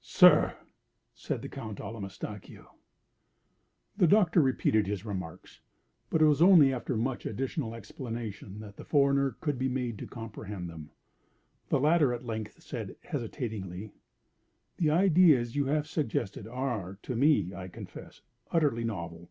"Sir!" said the Count Allamistakeo. The Doctor repeated his remarks, but it was only after much additional explanation that the foreigner could be made to comprehend them. The latter at length said, hesitatingly: "The ideas you have suggested are to me, I confess, utterly novel.